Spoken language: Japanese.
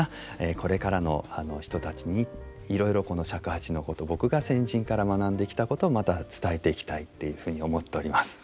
これからの人たちにいろいろこの尺八のこと僕が先人から学んできたことをまた伝えていきたいっていうふうに思っております。